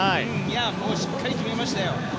もうしっかり決めましたよ。